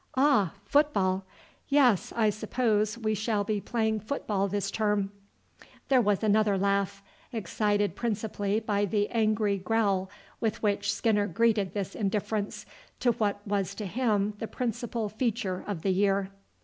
"Ah, football? Yes, I suppose we shall be playing football this term." There was another laugh, excited principally by the angry growl with which Skinner greeted this indifference to what was to him the principal feature of the year.